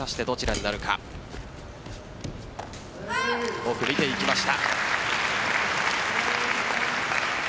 奥、見ていきました。